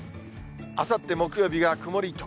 あさって木曜日が曇り